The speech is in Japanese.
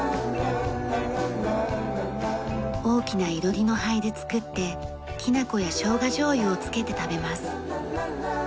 大きな囲炉裏の灰で作ってきな粉やショウガ醤油をつけて食べます。